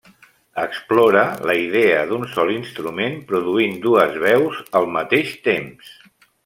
Explora la idea d'un sol instrument produint dues veus al mateix temps.